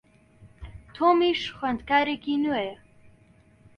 تۆمیش خوێندکارێکی نوێیە.